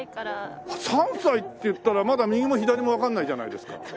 ３歳っていったらまだ右も左もわかんないじゃないですか。